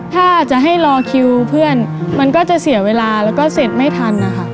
ถ้าจะให้รอคิวเพื่อนมันก็จะเสียเวลาแล้วก็เสร็จไม่ทันนะคะ